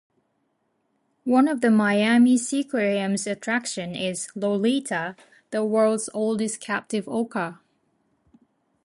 One of the Miami Seaquarium's attractions is Lolita, the world's oldest captive orca.